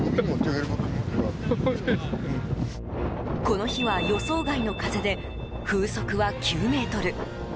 この日は予想外の風で風速は９メートル。